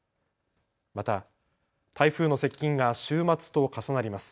また台風の接近が週末と重なります。